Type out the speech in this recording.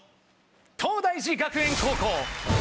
東大寺学園高校。